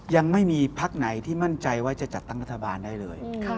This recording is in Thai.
ยังไม่มีพักไหนที่มั่นใจว่าจะจัดตั้งรัฐบาลได้เลย